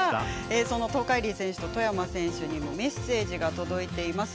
その東海林選手と外山選手にもメッセージが届いています。